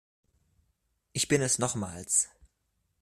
Ich bin es nochmals.